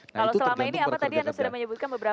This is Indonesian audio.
kalau selama ini apa tadi anda sudah menyebutkan beberapa